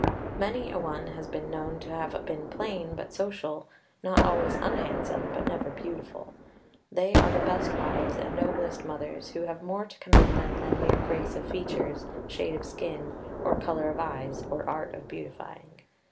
Many a one has been known to have been plain but social; not always unhandsome, but never beautiful. They are the best wives and noblest mothers who have more to commend them than mere grace of features, shade of skin, or color of eyes, or art of beautifying.